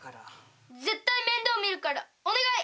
絶対面倒見るからお願い。